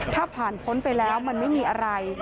ถ้าผ่านพ้นไปแล้วมันไม่มีอะไร